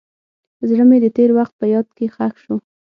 زړه مې د تېر وخت په یاد کې ښخ شو.